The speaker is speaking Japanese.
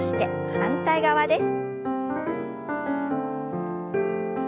反対側です。